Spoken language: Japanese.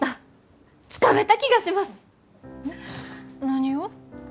何を？